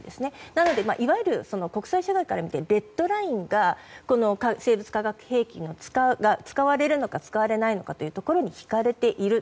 なのでいわゆる国際社会から見てデッドラインが生物・化学兵器が使われるのか使われないのかを聞かれている。